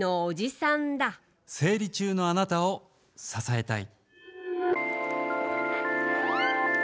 生理中のあなたを支えたい。